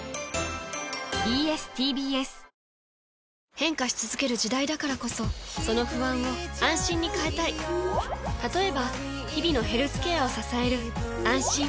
変化し続ける時代だからこそその不安を「あんしん」に変えたい例えば日々のヘルスケアを支える「あんしん」